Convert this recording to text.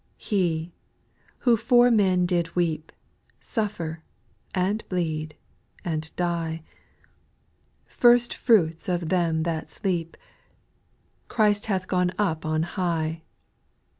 6. He, who for men did weep. Suffer, and bleed, and die, — First fruits of them that sleep, — Christ hath gone up on high.